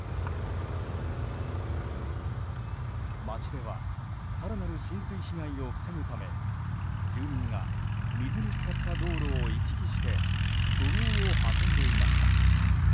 街では、更なる浸水被害を防ぐため住民が水に浸かった道路を行き来して土のうを運んでいました。